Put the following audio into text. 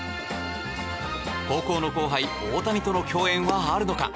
高校の後輩・大谷との共演はあるのか。